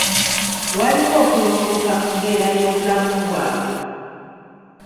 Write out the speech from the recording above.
Waliwo okulongooka mu mbeera y'obulamu bwabwe.